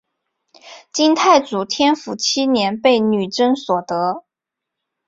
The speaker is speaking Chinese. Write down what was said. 金太祖天辅七年被女真夺得。